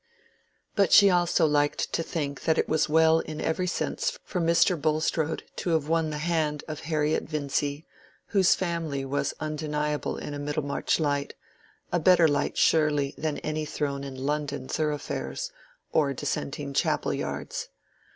But she also liked to think that it was well in every sense for Mr. Bulstrode to have won the hand of Harriet Vincy; whose family was undeniable in a Middlemarch light—a better light surely than any thrown in London thoroughfares or dissenting chapel yards.